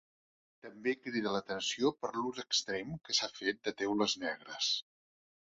També crida l'atenció per l'ús extrem que s'ha fet de teules negres.